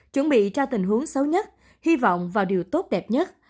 chuẩn bị cho tình huống xấu nhất hy vọng vào điều tốt đẹp nhất